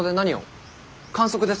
観測ですか？